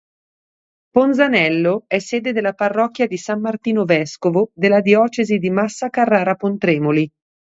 Ponzanello è sede della parrocchia di San Martino Vescovo della diocesi di Massa Carrara-Pontremoli.